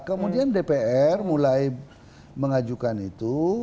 kemudian dpr mulai mengajukan itu